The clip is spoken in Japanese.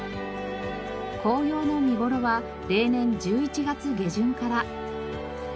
紅葉の見頃は例年１１月下旬から。